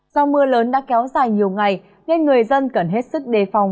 và mưa rông sẽ kéo dài nhiều ngày nên người dân cần hết sức đề phòng